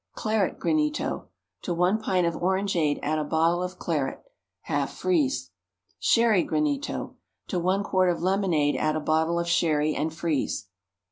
Claret Granito. To one pint of orangeade add a bottle of claret. Half freeze. Sherry Granito. To one quart of lemonade add a bottle of sherry, and freeze.